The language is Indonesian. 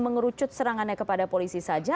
mengerucut serangannya kepada polisi saja